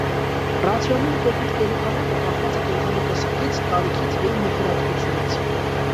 Ռացիոնում կոպիտ կերի քանակը կախված է կենդանու տեսակից, տարիքից և մթերատվությունից։